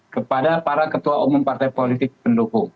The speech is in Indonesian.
kepada para ketua umum partai politik pendukung